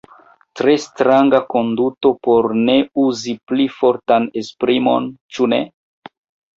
Tre stranga konduto por ne uzi pli fortan esprimon ĉu ne?